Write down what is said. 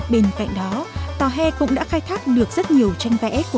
bên cạnh đó tàu he cũng đã khai thác được rất nhiều tranh vẽ của các trẻ tự kỷ